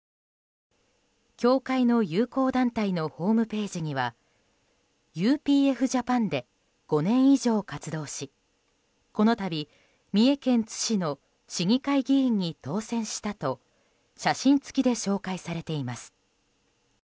教団の友好団体のホームページにはＵＰＦ‐Ｊａｐａｎで５年以上活動しこの度、三重県津市の市議会議員に当選したと写真付きで紹介されています。